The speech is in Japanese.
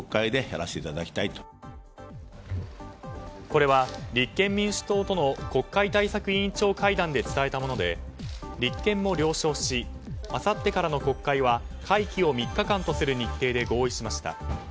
これは、立憲民主党との国会対策委員長会談で伝えたもので、立憲も了承しあさってからの国会は会期を３日間とする日程で合意しました。